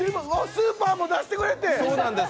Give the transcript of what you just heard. スーパーも出してくれて！